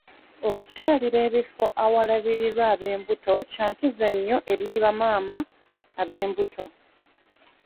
Okukyalira ebifo awalairirwa ab'embuto kya nkizo eri bamaama ab'embuto.